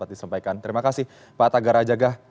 disampaikan terima kasih pak tagar rajagah